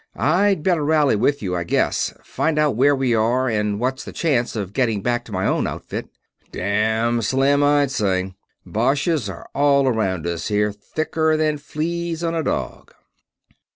I'd better rally with you, I guess find out where we are, and what's the chance of getting back to my own outfit." "Damn slim, I'd say. Boches are all around us here, thicker than fleas on a dog."